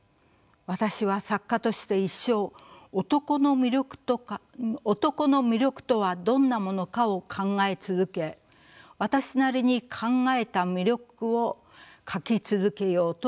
「私は作家として一生男の魅力とはどんなものかを考え続け私なりに考えた魅力を書き続けようと思っている」。